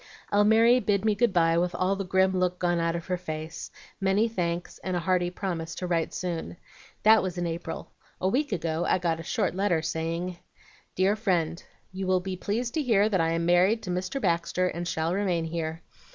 "Almiry bid me good by with all the grim look gone out of her face, many thanks, and a hearty promise to write soon. That was in April. A week ago I got a short letter saying, "'DEAR FRIEND, You will be pleased to hear that I am married to Mr. Baxter, and shall remain here.